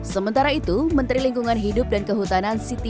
sementara itu menteri lingkungan hidup dan kehutanan siti